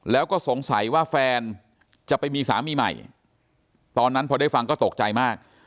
แล้วก็สงสัยว่าแฟนจะไปมีสามีใหม่ตอนนั้นพอได้ฟังก็ตกใจมาก